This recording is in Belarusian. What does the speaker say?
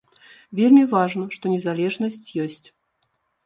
Вельмі важна, што незалежнасць ёсць.